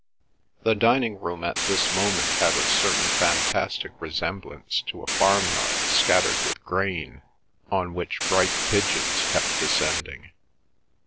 The dining room at this moment had a certain fantastic resemblance to a farmyard scattered with grain on which bright pigeons kept descending.